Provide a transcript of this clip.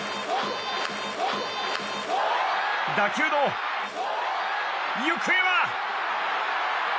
打球の行方は。